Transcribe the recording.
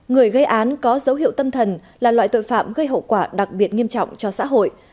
người gây án có dấu hiệu tâm thần là loại tội phạm gây hậu quả đặc biệt nghiêm trọng cho xã hội